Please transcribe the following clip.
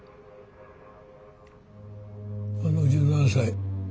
あの１７才